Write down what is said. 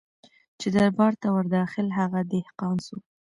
چي دربار ته ور داخل هغه دهقان سو